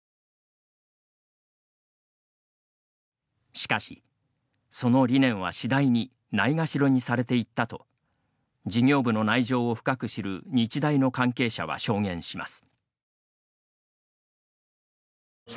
しかし、その理念はしだいにないがしろにされていったと事業部の内情を深く知る日大の関係者は証言します。